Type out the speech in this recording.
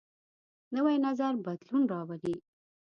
نوی نظر بدلون راولي